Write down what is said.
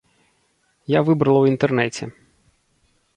Я выбрала ў інтэрнэце.